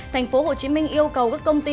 tp hcm yêu cầu các công ty